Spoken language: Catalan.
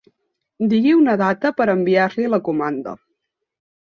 Digui una data per a enviar-li la comanda.